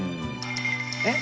えっ？